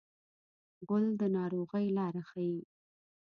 غول د ناروغۍ لاره ښيي.